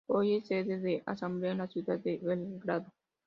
Hoy es sede de la Asamblea de la Ciudad de Belgrado.